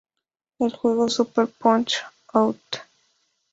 El juego Super Punch-Out!!